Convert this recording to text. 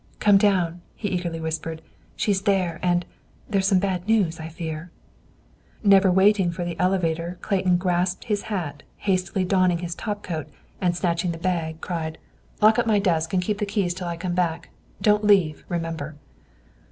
"Come down," he eagerly whispered, "She's there, and there's some bad news, I fear." Never waiting for the elevator, Clayton grasped his hat, hastily donning his top coat, and snatching the bag, cried, "Lock up my desk and keep my keys till I come back. Don't leave; remember!"